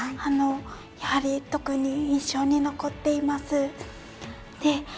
やはり特に印象に残っています。